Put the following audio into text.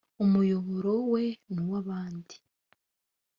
umuyoboro we n uw abandi